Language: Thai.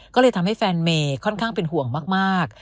ก็เลยทำให้แฟนเมย์ค่อนข้างเป็นห่วงมาก